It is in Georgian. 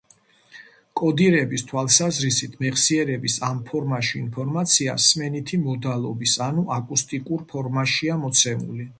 კოდირების თვალსაზრისით მეხსიერების ამ ფორმაში ინფორმაცია სმენითი მოდალობის ანუ აკუსტიკურ ფორმაშია მოცემული.